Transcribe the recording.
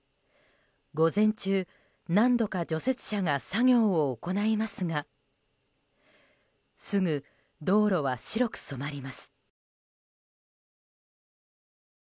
午前中、何度か除雪車が作業を行いますがすぐ道路は白く染まります。